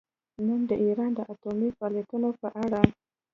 نن د ایران د اټومي فعالیتونو په اړه